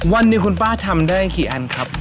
วันหนึ่งคุณป้าทำได้กี่อันครับ